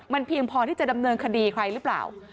มันเพียงพอที่จะดำเนินคดีใครหรือเปล่า